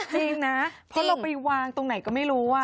จริงนะเพราะเราไปวางตรงไหนก็ไม่รู้